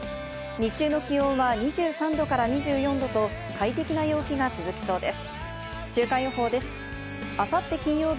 日中の気温は２３度から２４度と快適な陽気が続きそうです。